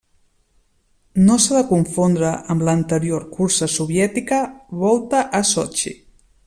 No s'ha de confondre amb l'anterior cursa soviètica Volta a Sotxi.